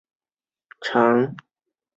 翁郭依等人归附土默特部。